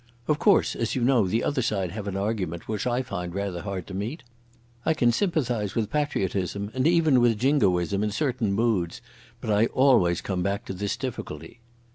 "Of course, as you know, the other side have an argument which I find rather hard to meet...." "I can sympathise with patriotism, and even with jingoism, in certain moods, but I always come back to this difficulty."